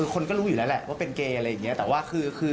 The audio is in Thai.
คนก็รู้อยู่แล้วแหละว่าเป็นเกย์อะไรอย่างนี้แต่ว่าคือ